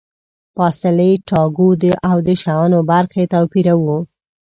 فاصلې ټاکو او د شیانو برخې توپیروو.